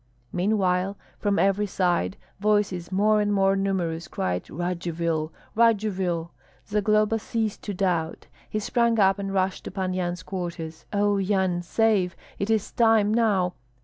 Meanwhile from every side voices more and more numerous cried, "Radzivill! Radzivill!" Zagloba ceased to doubt. He sprang up and rushed to Pan Yan's quarters. "Oh, Yan, save! It is time now!"